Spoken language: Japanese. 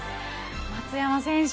松山選手